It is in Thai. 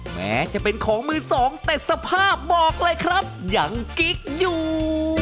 แม้จะเป็นของมือสองแต่สภาพบอกเลยครับยังกิ๊กอยู่